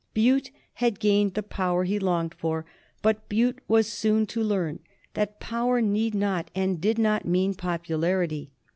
Bute had gained the power he longed for, but Bute was soon to learn that power need not and did not mean popularity.